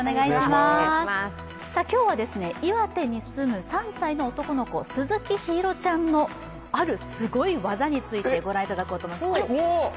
今日は岩手に住む３歳の男の子、鈴木ひいろちゃんのあるすごい技についてご覧いただきたいと思います。